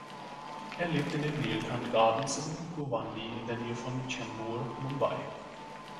Er lebt in den Neelkanth Gardens in Govandi in der Nähe von Chembur, Mumbai.